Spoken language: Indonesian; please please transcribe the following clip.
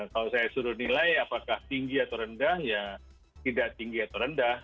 kalau saya suruh nilai apakah tinggi atau rendah ya tidak tinggi atau rendah